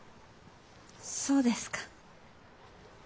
そうですか。